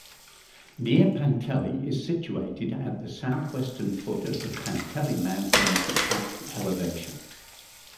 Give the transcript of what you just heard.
Nea Penteli is situated at the southwestern foot of the Penteli mountains, at elevation.